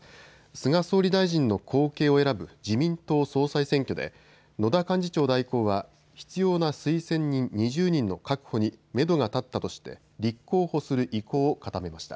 菅総理大臣の後継を選ぶ自民党総裁選挙で、野田幹事長代行は、必要な推薦人２０人の確保にメドが立ったとして、立候補する意向を固めました。